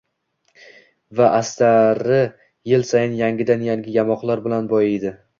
va astari yil sayin yangidan-yangi yamoqlar bilan boyiydi.